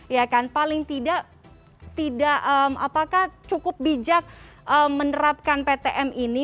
ya kan paling tidak tidak apakah cukup bijak menerapkan ptm ini